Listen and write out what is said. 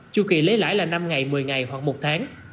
chu kỳ lấy lãi là năm ngày một mươi ngày hoặc một tháng